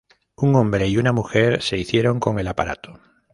Un hombre y una mujer, se hicieron con el aparato.